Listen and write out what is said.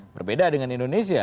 berbeda dengan indonesia